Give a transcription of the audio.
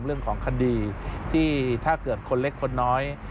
เรื่องของคดีที่ถ้าเกิดคนเล็กคนน้อย